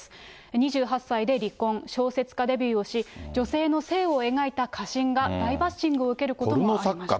２８歳で離婚、小説家デビューをし、女性の性を描いた花芯が大バッシングを受けることもありました。